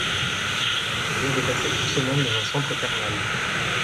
je viens de passer deux semaines dans un centre thermal.